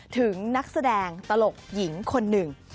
ถึงนักแสดงตลกหญิงคนหนึ่ง